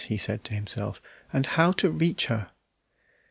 he said to himself. "And how to reach her!"